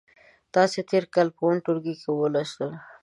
تاسې تېر کال په اووم ټولګي کې ولوستل.